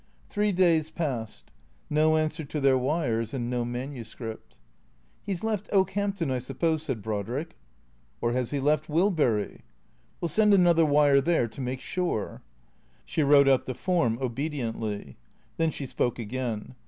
Three days passed. No answer to their wires and no manu script. " He 's left Okehampton, I suppose," said Brodrick. " Or has he left Wilbury ?"" We '11 send another wire there, to make sure." She wrote out the form obediently. Then she spoke again.